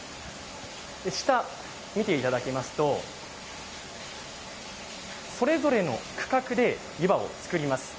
下、見ていただきますとそれぞれの区画で湯葉を作ります。